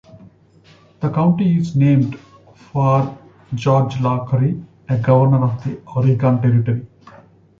The county is named for George Law Curry, a governor of the Oregon Territory.